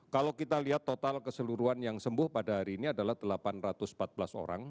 kalau kita lihat total keseluruhan yang sembuh pada hari ini adalah delapan ratus empat belas orang